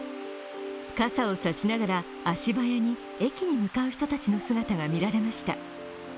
傘を差しながら足早に駅に向かう人たちの姿が見られました。